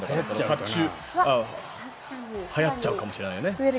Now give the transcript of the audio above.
かっちゅうはやっちゃうかもしれないね。